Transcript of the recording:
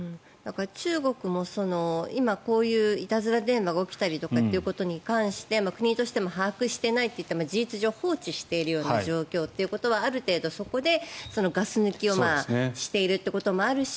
中国も今、こういういたずら電話が起きたりということに関して国としても把握してないと事実上放置しているような状況ということはある程度、そこでガス抜きをしているということもあるし